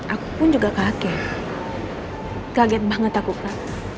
aku pun juga kaget kaget banget aku kak